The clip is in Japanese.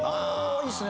いいっすね。